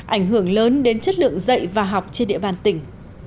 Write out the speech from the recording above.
ảnh hưởng lớn đến chất lượng dạy và học trên địa bàn tỉnh